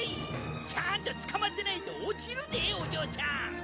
ちゃんとつかまってないと落ちるでおじょうちゃん！